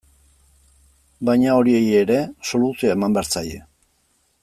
Baina horiei ere soluzioa eman behar zaie.